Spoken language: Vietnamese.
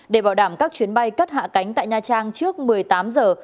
để bảo đảm các chuyến bay cất hạ cánh tại nha trang trước một mươi tám giờ